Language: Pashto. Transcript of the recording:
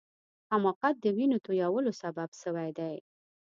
حماقت د وینو تویولو سبب سوی دی.